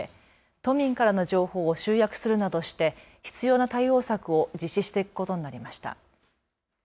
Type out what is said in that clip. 都民からの情報を集約するなどして必要な対応策を実施していくことになりました。